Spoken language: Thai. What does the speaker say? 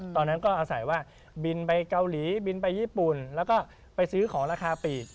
ตอนนั้นก็อาศัยว่าบินไปเกาหลีบินไปญี่ปุ่นแล้วก็ไปซื้อของราคาปีก